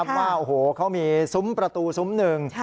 ว่าโอ้โหเขามีซุ้มประตูซุ้มหนึ่ง